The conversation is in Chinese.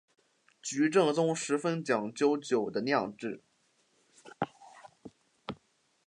菊正宗十分讲究酒的酿制。